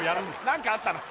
何かあったな